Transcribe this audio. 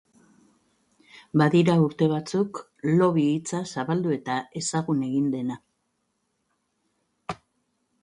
Badira urte batzuk lobby hitza zabaldu eta ezagun egin dena.